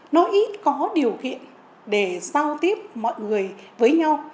nó ít có điều kiện để giao tiếp mọi người với nhau